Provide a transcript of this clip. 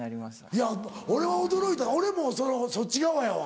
いや俺は驚いた俺もそっち側やわ。